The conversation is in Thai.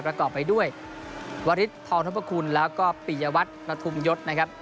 ประกอบไปด้วยวริสทองทบคุณแล้วก็ปิยวัตรประทุมยศนะครับ